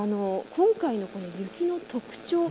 今回の雪の特徴